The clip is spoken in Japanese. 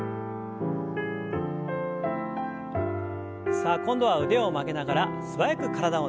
さあ今度は腕を曲げながら素早く体をねじります。